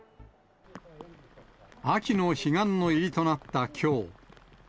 秋の彼岸の入りとなったきょう。